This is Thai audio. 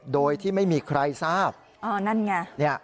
โดยที่ไม่มีใครทราบอ๋อนั่นไง